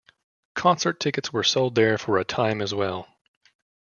Concert tickets were sold there for a time as well.